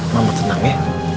mama tenang ya